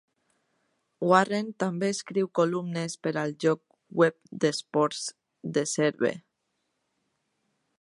Warren també escriu columnes per al lloc web d'esports "The Serve".